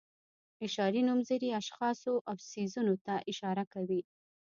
اشاري نومځري اشخاصو او څیزونو ته اشاره کوي.